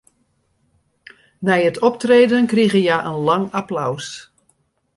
Nei it optreden krigen hja in lang applaus.